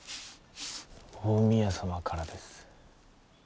大宮さまからです